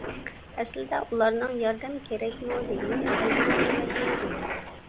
ئەسلىدە ئۇلارنىڭ «ياردەم كېرەكمۇ؟ » دېگىنى «تەرجىمان كېرەكمۇ؟ » دېگىنى.